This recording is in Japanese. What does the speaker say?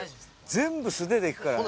全部素手で行くからね。